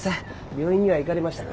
病院には行がれましたが？